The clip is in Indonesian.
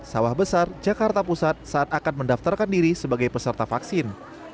sawah besar jakarta pusat saat akan mendaftarkan diri sebagai peserta vaksin